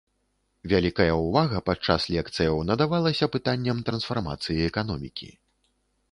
Вялікая ўвага падчас лекцыяў надавалася пытанням трансфармацыі эканомікі.